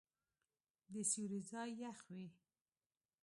د سیوري ځای یخ وي.